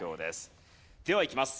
ではいきます。